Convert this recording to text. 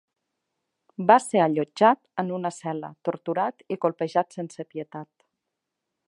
Va ser allotjat en una cel·la, torturat i colpejat sense pietat.